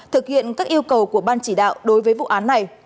thực hiện các yêu cầu của ban chỉ đạo đối với vụ án này